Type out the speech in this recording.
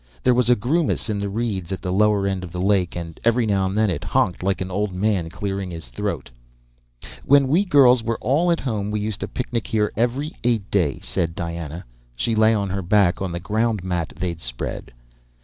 There was a groomis in the reeds at the lower end of the lake, and every now and then it honked like an old man clearing his throat. "When we girls were all at home we used to picnic here every Eight day," said Diana. She lay on her back on the groundmat they'd spread.